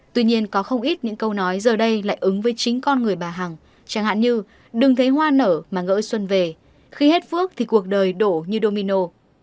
tuy nhiên có không ít những câu nói giờ đây lại ứng với chính con người bà hằng chẳng hạn như đừng thấy hoa nở mà gỡ xuân về khi hết phước thì cuộc đời đổ như domino